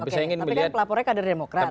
pelapornya kadang demokrat